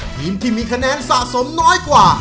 ทีมที่มีคะแนนสะสมน้อยกว่า